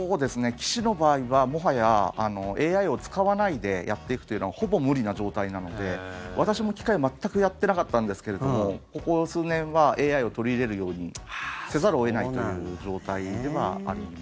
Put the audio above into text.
棋士の場合はもはやＡＩを使わないでやっていくというのはほぼ無理な状態なので私も機械全くやってなかったんですけどもここ数年はＡＩを取り入れるようにせざるを得ないという状態ではあります。